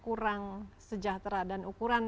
kurang sejahtera dan ukurannya